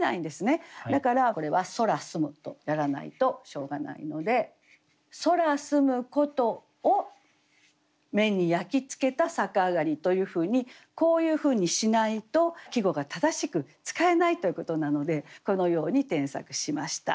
だからこれは「空澄む」とやらないとしょうがないので「空澄むことを目に焼きつけたさかあがり」というふうにこういうふうにしないと季語が正しく使えないということなのでこのように添削しました。